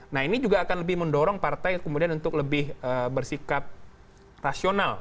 nah ini juga akan lebih mendorong partai kemudian untuk lebih bersikap rasional